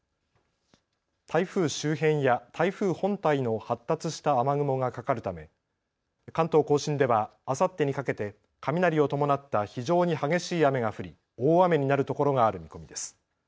台風周辺や台風本体の発達した雨雲がかかるため関東甲信ではあさってにかけて雷を伴った非常に激しい雨が降り大雨になる所がある見込みです。